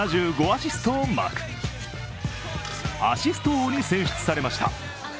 アシスト王に選出されました。